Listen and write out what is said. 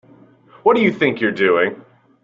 What do you think you're doing?